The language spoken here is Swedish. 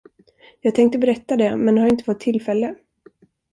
Jag tänkte berätta det, men har inte fått tillfälle.